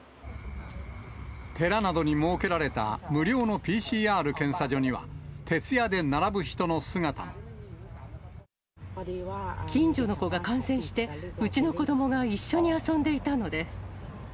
寺などに設けられた無料のＰＣＲ検査所には、近所の子が感染して、うちの子どもが一緒に遊んでいたので。